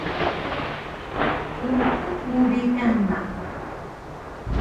kuxul mu bi kana